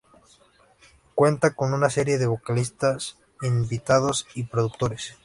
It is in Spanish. Cuenta con una serie de vocalistas invitados y productores.